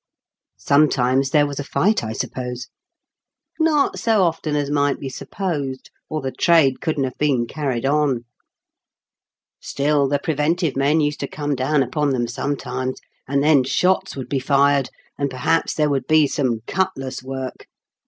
" Sometimes there was a fight, I suppose ?" "Not so often as might be supposed, or the trade couldn't have been carried on. Still, the preventive men used to come down 272 IN KENT WITH CEAELE8 DICKENS. upon them sometimes, and then shots would be fired, and perhaps there would be some cutlass work.